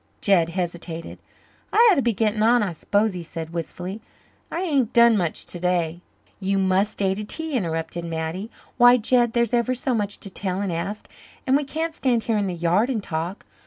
Jed hesitated. "I ought to be getting on, I s'pose," he said wistfully. "I hain't done much today " "You must stay to tea," interrupted Mattie. "Why, Jed, there's ever so much to tell and ask. And we can't stand here in the yard and talk.